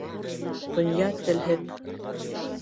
Донъя телһеҙ